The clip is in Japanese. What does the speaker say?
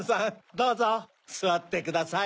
どうぞすわってください。